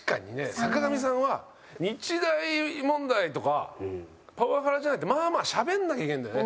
坂上さんは日大問題とか「パワハラじゃない？」ってまあまあしゃべんなきゃいけないんだよね。